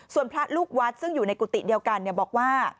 ส่วนพระลูกวัดซึ่งอยู่ในกุฏิเดียวกันบอกว่า